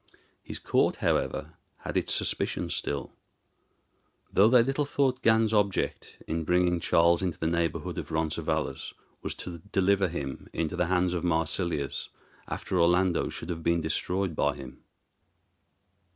His court, however, had its suspicion still, though they little thought Gan's object in bringing Charles into the neighborhood of Roncesvalles was to deliver him into the hands of Marsilius, after Orlando should have been destroyed by him.